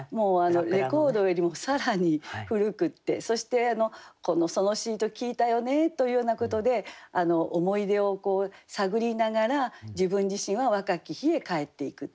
レコードよりも更に古くってそしてソノシート聴いたよねというようなことで思い出を探りながら自分自身は若き日へ返っていくっていうか。